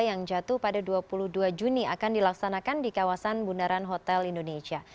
yang jatuh pada dua puluh dua juni akan dilaksanakan di kawasan bundaran hotel indonesia